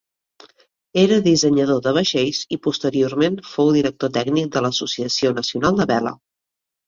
Era dissenyador de vaixells i posteriorment fou director tècnic de l'associació nacional de vela.